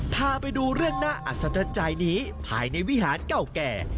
พาไปดูเรื่องน่าอัศจรรย์ใจนี้ภายในวิหารเก่าแก่